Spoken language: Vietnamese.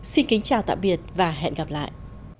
xin kính chào tạm biệt và hẹn gặp lại